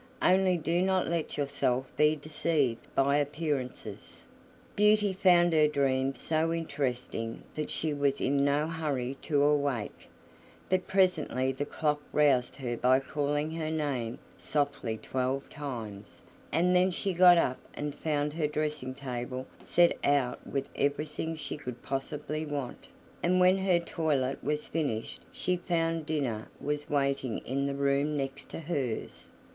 Only do not let yourself be deceived by appearances." Beauty found her dreams so interesting that she was in no hurry to awake, but presently the clock roused her by calling her name softly twelve times, and then she got up and found her dressing table set out with everything she could possibly want; and when her toilet was finished she found dinner was waiting in the room next to hers.